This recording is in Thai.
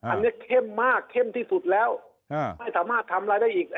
อันนี้เข้มมากเข้มที่สุดแล้วไม่สามารถทำอะไรได้อีก